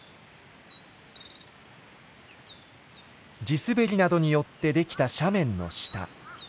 地滑りなどによってできた斜面の下。